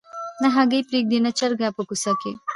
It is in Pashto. نه هګۍ پرېږدي نه چرګه په کوڅه کي